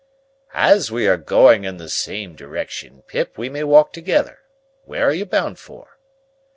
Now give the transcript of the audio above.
"As we are going in the same direction, Pip, we may walk together. Where are you bound for?"